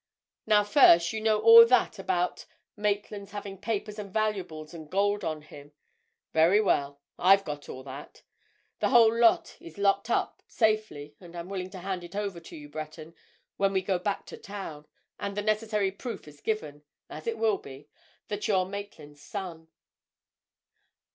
Now, first, you know all that about Maitland's having papers and valuables and gold on him? Very well—I've got all that. The whole lot is locked up—safely—and I'm willing to hand it over to you, Breton, when we go back to town, and the necessary proof is given—as it will be—that you're Maitland's son."